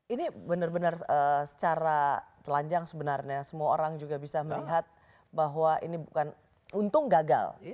ini benar benar secara telanjang sebenarnya semua orang juga bisa melihat bahwa ini bukan untung gagal